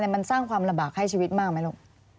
มันสร้างความลำบากให้ชีวิตมากไหมลูก